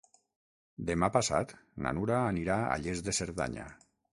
Demà passat na Nura anirà a Lles de Cerdanya.